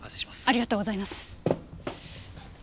ありがとうございます。